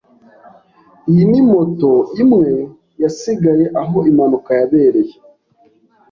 Iyi ni moto imwe yasigaye aho impanuka yabereye.